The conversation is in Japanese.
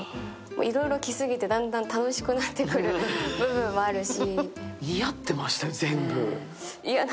いろいろ着すぎてだんだん楽しくなってくる部分はあるし。